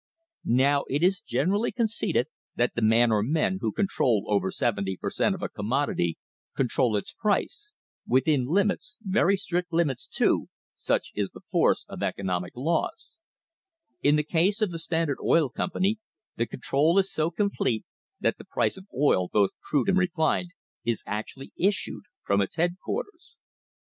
Now it is generally conceded that the man or men who control over seventy per cent, of a commodity control its price within limits, very strict limits, too, such is the force of economic laws. In the case of the Standard Oil Company * See Chapter IV. f See Chapter V. [ 197] THE HISTORY OF THE STANDARD OIL COMPANY the control is so complete that the price of oil, both crude and refined, is actually issued from its headquarters.